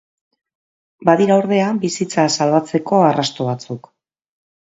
Badira, ordea, bizitza salbatzeko arrasto batzuk.